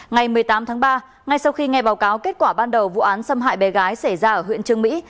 ngày một mươi tám tháng ba ngay sau khi nghe báo cáo kết quả ban đầu vụ án xâm hại bé gái xảy ra ở huyện trương mỹ